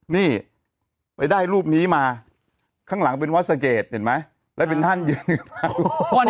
นี่ไปได้รูปนี้มาข้างหลังเป็นวัดสะเกดเห็นไหมแล้วเป็นท่านยืนอยู่